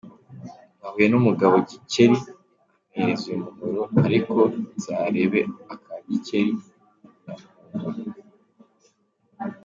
Nahuye n’umugabo Gikeli ampereza uyu muhoro, ariko nzarebe aka Gikeli na Nkuba.